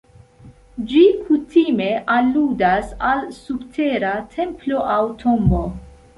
Ĝi kutime aludas al subtera templo aŭ tombo.